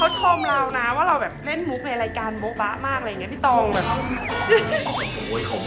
และเปียกนะเขาชมเรานะว่าเราแบบเล่นมุกในรายการโบ๊ะมากอะไรอย่างนี้พี่ตอง